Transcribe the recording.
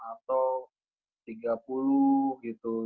atau tiga puluh gitu